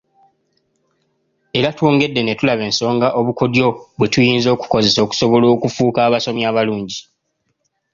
Era twongedde ne tulaba ensonga obukodyo bwe tuyinza okukozesa okusobola okufuuka abasomi abalungi.